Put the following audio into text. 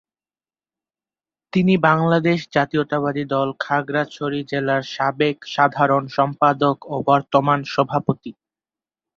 তিনি বাংলাদেশ জাতীয়তাবাদী দল, খাগড়াছড়ি জেলার সাবেক সাধারণ সম্পাদক ও বর্তমান সভাপতি।